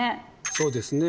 そうですね。